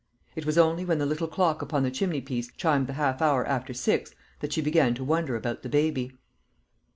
It was only when the little clock upon the chimney piece chimed the half hour after six, that she began to wonder about the baby.